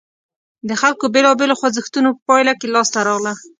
د خلکو بېلابېلو خوځښتونو په پایله کې لاسته راغله.